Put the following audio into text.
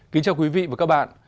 kính chào quý vị và các bạn